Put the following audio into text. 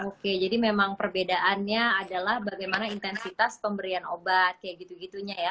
oke jadi memang perbedaannya adalah bagaimana intensitas pemberian obat kayak gitu gitunya ya